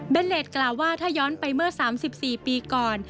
เป็นเลสกล่าวว่าถ้าย้อนไปเมื่อ๓๔ปีก่อน